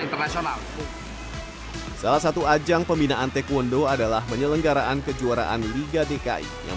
internasional salah satu ajang pembinaan taekwondo adalah penyelenggaraan kejuaraan liga dki yang